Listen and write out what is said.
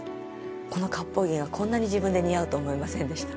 この割烹着がこんなに自分で似合うと思いませんでした